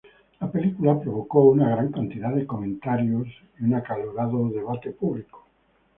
La película provocó una gran cantidad de comentarios y un acalorado debate público.